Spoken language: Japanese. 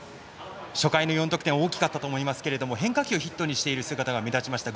初回の４得点は大きかったと思いますが変化球を筆頭にしている姿が目立ちました。